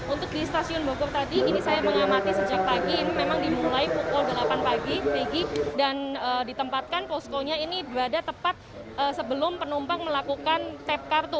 untuk di stasiun bogor tadi ini saya mengamati sejak pagi ini memang dimulai pukul delapan pagi dan ditempatkan poskonya ini berada tepat sebelum penumpang melakukan tap kartu